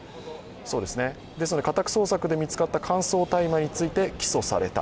ですので家宅捜索で見つかった乾燥大麻について起訴された。